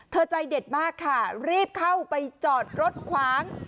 ใจเด็ดมากค่ะรีบเข้าไปจอดรถขวาง